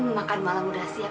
makan malam udah siap